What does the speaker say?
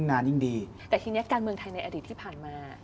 แต่ทีนี้การเมืองไทยในอดีตที่ผ่านมา